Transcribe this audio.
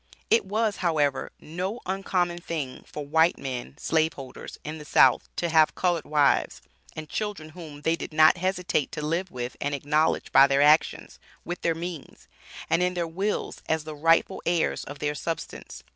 It was, however, no uncommon thing for white men (slave holders) in the South to have colored wives and children whom, they did not hesitate to live with and acknowledge by their actions, with their means, and in their wills as the rightful heirs of their substance.